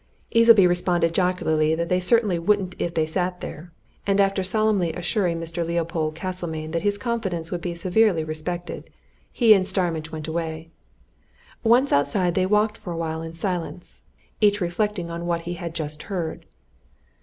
Easleby responded jocularly that they certainly wouldn't if they sat there, and after solemnly assuring Mr. Leopold Castlemayne that his confidence would be severely respected, he and Starmidge went away. Once outside they walked for awhile in silence, each reflecting on what he had just heard.